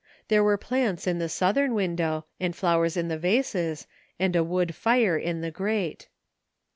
There were plants in the southern window, and flowers in the vases, and a wood fire in the grate.